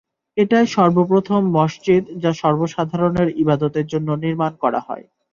এটাই সর্বপ্রথম মসজিদ যা সর্বসাধারণের ইবাদতের জন্যে নির্মাণ করা হয়।